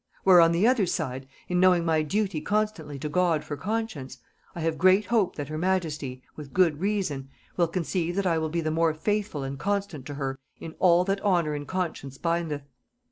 Where on the other side, in knowing my duty constantly to God for conscience, I have great hope that her majesty, with good reason, will conceive that I will be the more faithful and constant to her in all that honor and conscience bindeth.